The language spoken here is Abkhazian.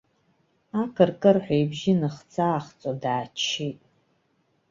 Акыркырҳәа ибжьы ныхҵа-аахҵо дааччеит.